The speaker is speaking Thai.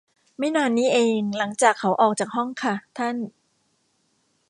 ไม่นานนี้เองหลังจากเขาออกจากห้องค่ะ ท่าน